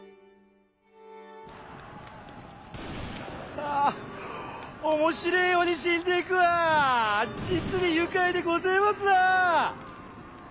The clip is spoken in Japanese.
ああ面白えように死んでいくわ実に愉快でごぜますなあ！